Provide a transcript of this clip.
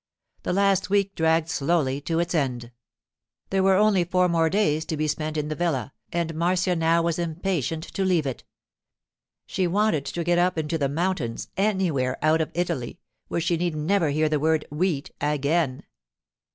The last week dragged slowly to its end. There were only four more days to be spent in the villa, and Marcia now was impatient to leave it. She wanted to get up into the mountains—anywhere out of Italy—where she need never hear the word 'wheat' again.